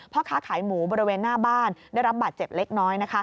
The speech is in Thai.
พ่อค้าขายหมูบริเวณหน้าบ้านได้รับบาดเจ็บเล็กน้อย